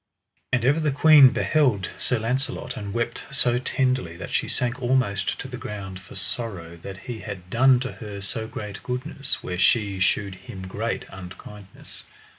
And ever the queen beheld Sir Launcelot, and wept so tenderly that she sank almost to the ground for sorrow that he had done to her so great goodness where she shewed him great unkindness.